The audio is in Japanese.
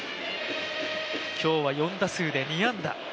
今日は４打数で２安打。